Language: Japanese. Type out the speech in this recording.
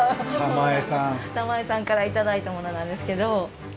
玉江さんから頂いたものなんですけど。